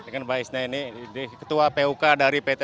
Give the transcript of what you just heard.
dengan baizna ini ketua puk dari pt